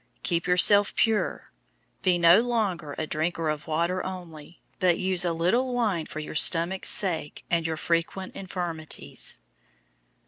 Keep yourself pure. 005:023 Be no longer a drinker of water only, but use a little wine for your stomach's sake and your frequent infirmities.